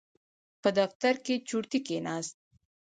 په دفتر کې چورتي کېناست.